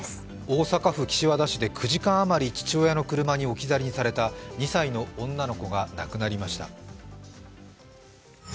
大阪府岸和田市で９時間あまり父親の車に置き去りにされた２歳の女の子が亡くなりました。